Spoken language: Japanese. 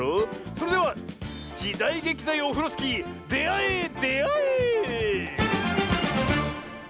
それでは「じだいげきだよオフロスキー」であえであえ！